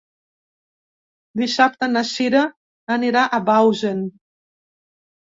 Dissabte na Cira anirà a Bausen.